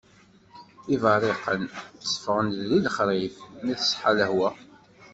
Iberriqen teffɣen-d deg lexrif mi teṣḥa lehwa.